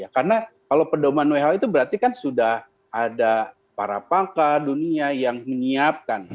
karena kalau pedoman who itu berarti kan sudah ada para pangka dunia yang menyiapkan